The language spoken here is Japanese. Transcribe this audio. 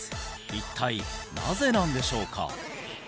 一体なぜなんでしょうか？